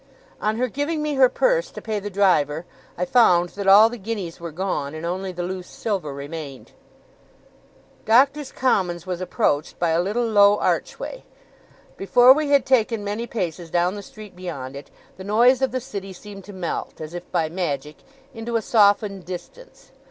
On her giving me her purse to pay the driver, I found that all the guineas were gone, and only the loose silver remained. Doctors' Commons was approached by a little low archway. Before we had taken many paces down the street beyond it, the noise of the city seemed to melt, as if by magic, into a softened distance.